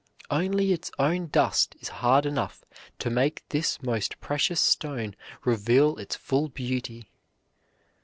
Only its own dust is hard enough to make this most precious stone reveal its full beauty.